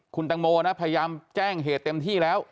คุณตังโมนะพยายามแจ้งเหตุเต็มที่แล้ว